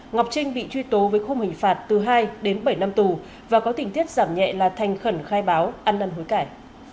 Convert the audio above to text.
ngọc trinh bị truy tố với khung hình phạt từ hai đến bảy năm tù và có tình tiết giảm nhẹ là thành khẩn khai báo ăn năn hối cải